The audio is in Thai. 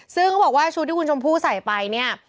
ซึ่งเขาบอกว่าชุดที่คุณชมพู่ใส่ไปเนี่ย